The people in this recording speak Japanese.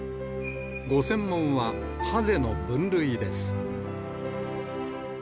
ご専門はハゼの分類です。